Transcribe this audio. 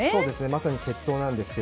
まさに決闘なんですが。